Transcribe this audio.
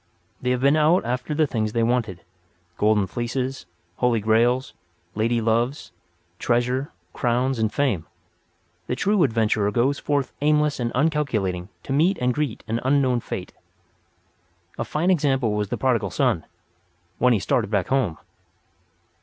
They have been out after the things they wanted—golden fleeces, holy grails, lady loves, treasure, crowns and fame. The true adventurer goes forth aimless and uncalculating to meet and greet unknown fate. A fine example was the Prodigal Son—when he started back home.